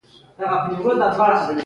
زمري ما ته وکتل او موسکی شو، زما پام شو.